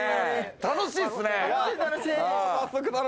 楽しいっすね。